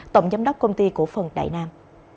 tổng giám đốc công ty của phần đại nam